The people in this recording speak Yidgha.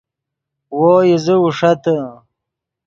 وو ایزے اوݰتے